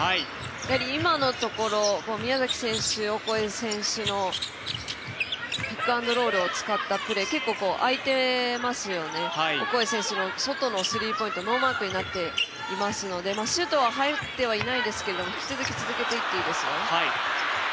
今のところ、宮崎選手、オコエ選手のピックアンドロールを使ったプレー、結構空いてますよね、オコエ選手、外のスリーポイントノーマークになっていますのでシュートは入ってはいないんですけど、引き続き続けていっていいですよ。